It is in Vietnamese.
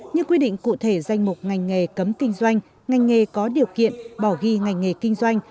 như quy định cụ thể danh mục ngành nghề cấm kinh doanh ngành nghề có điều kiện bỏ ghi ngành nghề kinh doanh